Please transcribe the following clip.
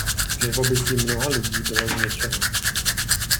Živobytí mnoha lidí bylo zničeno.